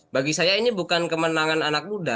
bagi saya ini bukan kemenangan anak muda